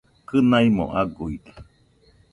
Kɨnaimo aguide